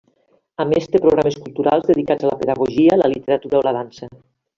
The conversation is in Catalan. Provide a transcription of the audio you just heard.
A més, té programes culturals dedicats a la pedagogia, la literatura o la dansa.